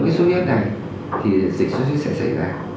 cái sốt huyết này thì dịch sốt huyết sẽ xảy ra